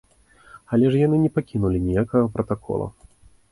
Але ж яны не пакінулі ніякага пратакола.